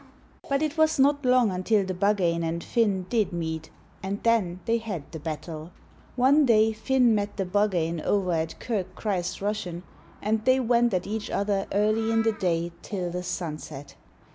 But it was not long until the Buggane and Finn did meet, and then they had the battle! One day Finn met the Buggane over at Kirk Christ Rushen, and they went at each other early in the day till the sunset.